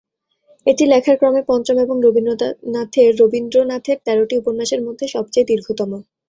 এটি লেখার ক্রমে পঞ্চম এবং রবীন্দ্রনাথের তেরোটি উপন্যাসের মধ্যে সবচেয়ে দীর্ঘতম।